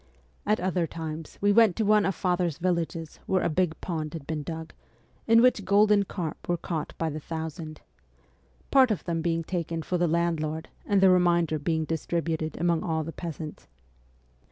At other times we went to one of father's villages where a big pond had been dug, in which golden carp were caught by the thousand part of them being taken for the land lord and the remainder being distributed among all the peasants.